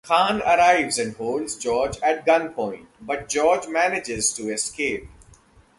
Khan arrives and holds George at gunpoint, but George manages to escape.